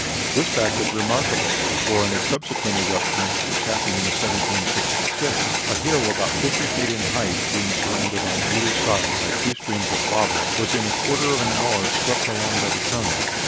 This fact is remarkable; for in a subsequent eruption, which happened in 1766, a hill about fifty feet in height, being surrounded on either side by two streams of lava, was in a quarter of an hour swept along by the current.